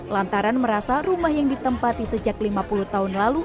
lantaran merasa rumah yang ditempati sejak lima puluh tahun lalu